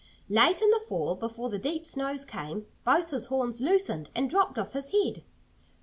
Late in the fall, before the deep snows came, both his horns loosened and dropped off his head.